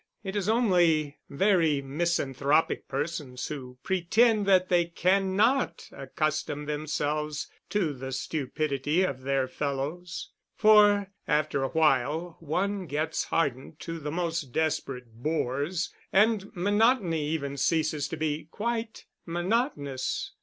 It is only very misanthropic persons who pretend that they cannot accustom themselves to the stupidity of their fellows; for, after a while, one gets hardened to the most desperate bores, and monotony even ceases to be quite monotonous.